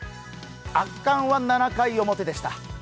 圧巻は７回表でした。